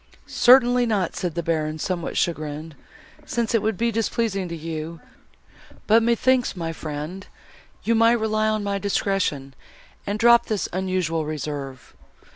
"Certainly not," said the Baron, somewhat chagrined, "since it would be displeasing to you; but methinks, my friend, you might rely on my discretion, and drop this unusual reserve.